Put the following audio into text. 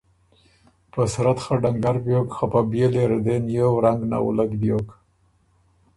په صورت خه ډنګر بیوک خه په بيېلی ره دې نیوو رنګ نوُلّک بیوک۔